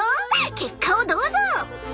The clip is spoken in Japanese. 結果をどうぞ！